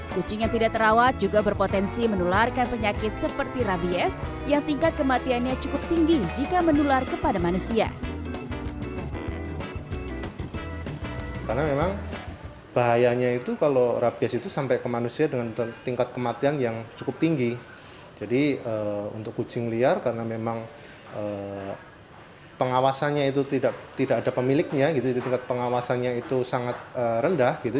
kucing yang tidak terawat juga berpotensi menularkan penyakit seperti rabies yang tingkat kematiannya cukup tinggi jika menular kepada manusia